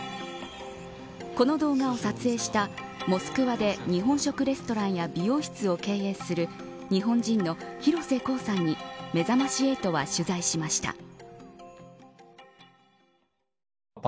この動画を撮影したモスクワで、日本食レストランや美容室を経営する日本人の廣瀬功さんにめざまし８は取材しました。